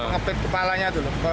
ngepit kepalanya dulu